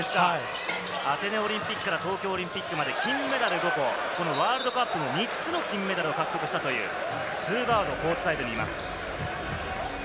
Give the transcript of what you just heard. アテネオリンピック、東京オリンピックまで金メダル５個、ワールドカップも３つの金メダルを獲得したというスー・バード、コートサイドにいます。